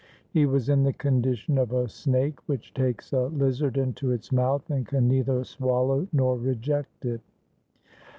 He was in the condition of a snake which takes a lizard into its mouth, and can neither swallow nor reject it.